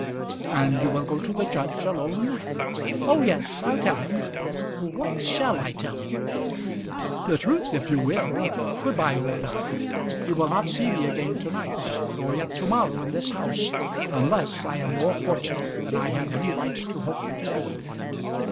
"And you will go to the judge alone?" "Oh, yes. I'll tell him . What shall I tell him?" "The truth, if you will. Good bye, old fellow. You will not see me again to night, nor yet to morrow in this house, unless I am more fortunate than I have any right to hope to be."